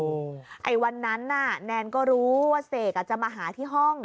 ไอ้วันนั้นน่ะแนนก็รู้ว่าเสกจะมาหาที่ห้อง